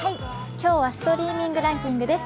今日はストリーミングランキングです。